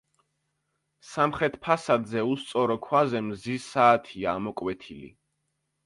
სამხრეთ ფასადზე უსწორო ქვაზე მზის საათია ამოკვეთილი.